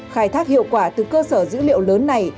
khai thác hiệu quả từ cơ sở dữ liệu lớn này